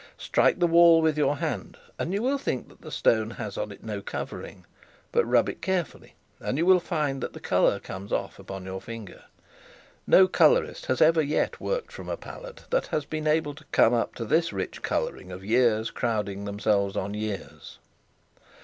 Strike the wall with your hand, and you will think that the stone has on it no covering, but rub it carefully, and you will find that the colour comes off upon your finger. No colourist that ever yet worked from a palette has been able to come up to this rich colouring of years crowding themselves on years.